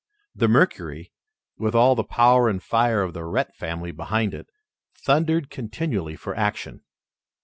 The Mercury, with all the power and fire of the Rhett family behind it, thundered continually for action.